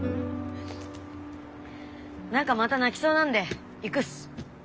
何かまた泣きそうなんで行くっす。